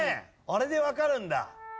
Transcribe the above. あれでわかるんだ。